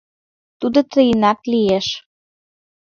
Тудо тыйынак лиеш.